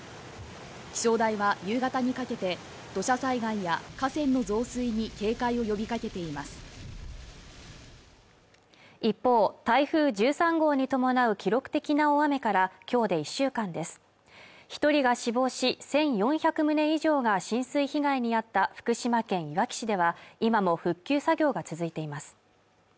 気象台は夕方にかけて土砂災害や河川の増水に警戒を呼びかけています一方、台風１３号に伴う記録的な大雨からきょうで１週間です一人が死亡し１４００棟以上が浸水被害に遭った福島県いわき市では今も復旧作業が続いています